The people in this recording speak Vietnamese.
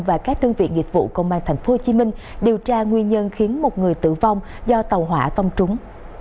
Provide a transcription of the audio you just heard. và các đơn vị nghiệp vụ công an tp hcm điều tra nguyên nhân khiến một người tử vong do tàu hỏa tông trúng